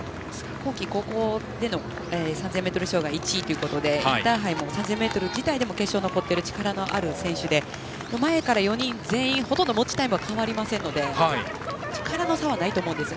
今季、高校での３０００ｍ障害１位ということでインターハイも３０００ｍ自体でも決勝に残っている実力のある選手ですので３人ともほとんど持ちタイムは変わりませんので力の差はないと思うんですね。